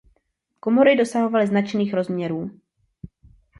Komory dosahovaly značných rozměrů.